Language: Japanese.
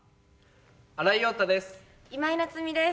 新井庸太です。